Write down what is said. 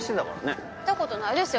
見たことないですよ